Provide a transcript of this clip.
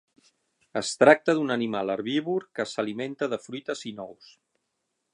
Es tracta d'un animal herbívor que s'alimenta de fruites i nous.